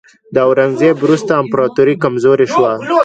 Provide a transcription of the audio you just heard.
د اورنګزیب وروسته امپراتوري کمزورې شوه.